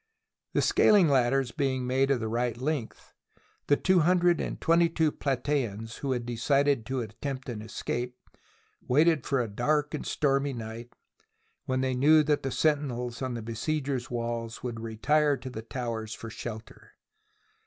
The scaling ladders being made of the right length, the two hundred and twenty two Platseans who had decided to attempt an escape, waited for a dark and stormy night, when they knew that the sentinels on the besiegers' walls would retire to the towers for shelter.